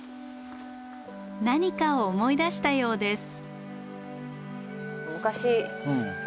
何かを思い出したようです。